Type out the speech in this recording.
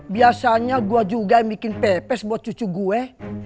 biasanya gue juga yang bikin pepes buat cucu gue